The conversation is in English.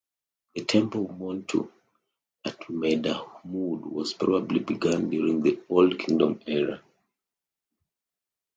The Temple of Montu at Medamud was probably begun during the Old Kingdom era.